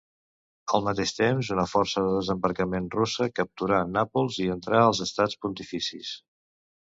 Al mateix temps, una força de desembarcament russa capturà Nàpols i entrà als Estats Pontificis.